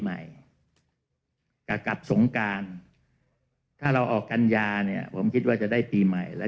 ใหม่จะกลับสงการถ้าเราออกกัญญาเนี่ยผมคิดว่าจะได้ปีใหม่แล้ว